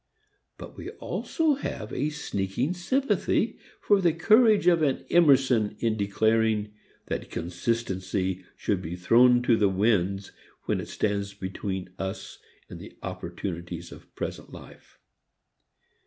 But we also have a sneaking sympathy for the courage of an Emerson in declaring that consistency should be thrown to the winds when it stands between us and the opportunities of present life.